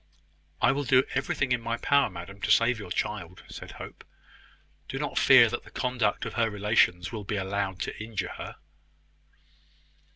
"I will do everything in my power, madam, to save your child," said Hope. "Do not fear that the conduct of her relations will be allowed to injure her."